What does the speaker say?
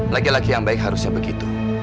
laki laki yang baik harusnya begitu